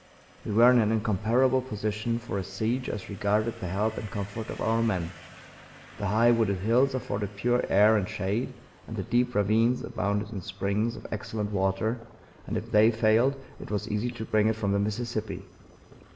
We were in an incomparable position for a siege as regarded the health and comfort of our men. The high wooded hills afforded pure air and shade, and the deep ravines abounded in springs of excellent water, and if they failed it was easy to bring it from the Mississippi.